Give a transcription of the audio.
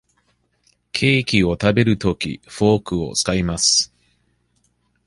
ケーキを食べるとき、フォークを使います。